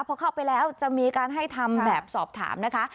พอเข้าไปแล้วจะมีการให้ทำแบบสอบถามนะคะ